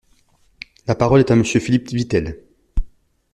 La parole est à Monsieur Philippe Vitel.